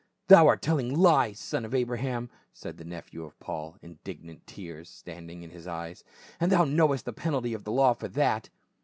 "Thou art telling lies, son of Abraham," said the nephew of Paul, indignant tears standing in his e>'es, "and thou knowest the penalty of the law for that."